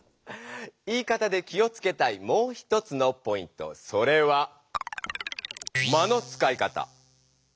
言い方で気をつけたいもう一つのポイントそれは「間のつかい方」。